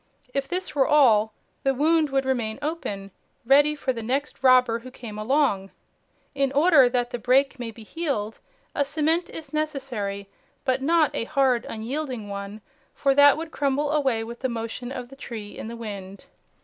If this were all, the wound would remain open, ready for the next robber who came along. In order that the break may be healed, a cement is necessary, but not a hard, unyielding one, for that would crumble away with the motion of the tree in the wind.